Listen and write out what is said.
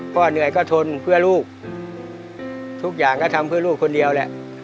เหนื่อยก็ทนเพื่อลูกทุกอย่างก็ทำเพื่อลูกคนเดียวแหละ